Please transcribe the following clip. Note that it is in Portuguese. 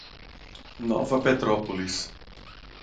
Nova Petrópolis